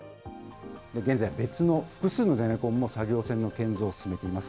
現在、別の複数のゼネコンも作業船の建造を進めています。